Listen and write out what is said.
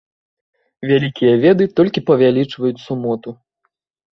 Вялікія веды толькі павялічваюць сумоту.